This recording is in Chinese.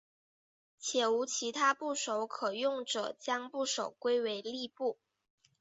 且无其他部首可用者将部首归为立部。